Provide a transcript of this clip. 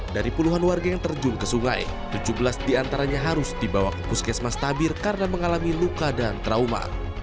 dari puluhan warga yang terjun ke sungai tujuh belas diantaranya harus dibawa ke puskesmas tabir karena mengalami luka dan trauma